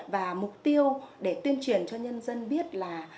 và mục tiêu để tuyên truyền cho nhân dân biết là